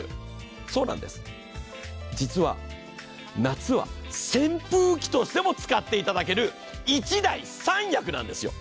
そうなんです、実は、夏は扇風機としても使っていただける１台３役なんですよ。